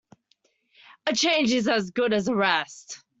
A change is as good as a rest.